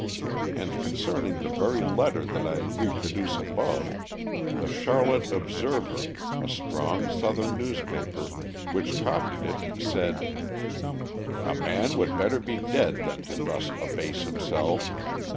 And concerning the very letter that I reproduce above, the Charlotte Observer, a strong Southern newspaper, which copied it, said: A man would better be dead than to thus abase himself.